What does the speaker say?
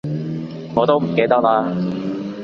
我都唔記得喇